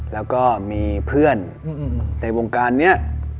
แล้วก็มีเพื่อนในวงการนี้